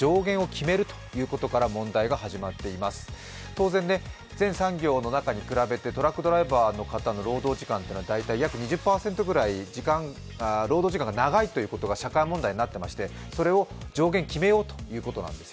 当然、生産業の方に比べてトラックドライバーの方の労働時間は大体約２０％ぐらい長いということが社会問題になっていまして、それを上限を決めようということです。